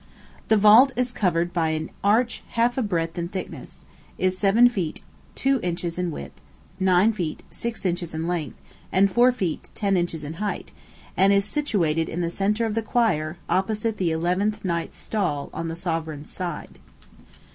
"The vault is covered by an arch half a breadth in thickness; is seven feet two inches in width, nine feet six inches in length, and four feet ten inches in height, and is situated in the centre of the choir, opposite the eleventh knight's stall, on the sovereign's side.